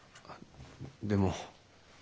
でも。